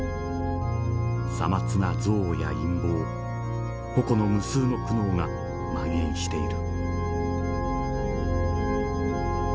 些末な憎悪や陰謀個々の無数の苦悩がまん延している」。